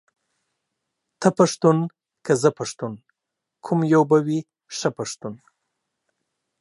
ته پښتون که زه پښتون ، کوم يو به وي ښه پښتون ،